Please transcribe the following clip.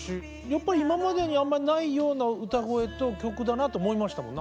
やっぱり今までにあんまりないような歌声と曲だなと思いましたもん。